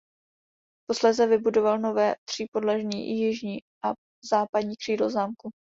Posléze vybudoval nové třípodlažní jižní a západní křídlo zámku.